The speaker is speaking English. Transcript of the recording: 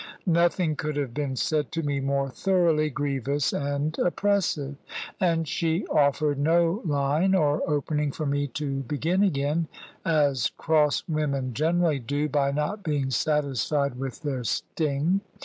Nothing could have been said to me more thoroughly grievous and oppressive. And she offered no line or opening for me to begin again, as cross women generally do, by not being satisfied with their sting.